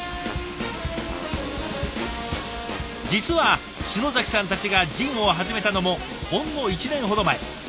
実は篠崎さんたちがジンを始めたのもほんの１年ほど前。